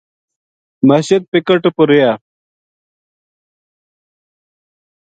مسجد پِکٹ پو رہیا